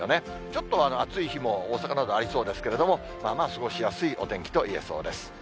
ちょっと暑い日も、大阪などありそうですけれども、まあまあ過ごしやすいお天気といえそうです。